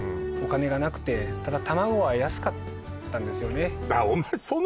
お金がなくてただ卵は安かったんですよね